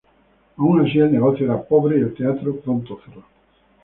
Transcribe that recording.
Aun así, el negocio era pobre y el teatro pronto cerró.